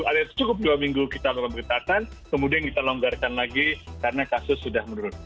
ada cukup dua minggu kita melakukan pengetatan kemudian kita longgarkan lagi karena kasus sudah menurun